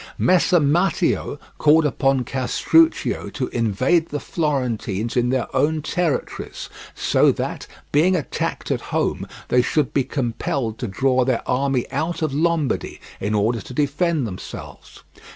Messer Matteo called upon Castruccio to invade the Florentines in their own territories, so that, being attacked at home, they should be compelled to draw their army out of Lombardy in order to defend themselves.